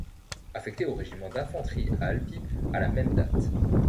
Affecté au Régiment d'Infanterie à Albi à la même date.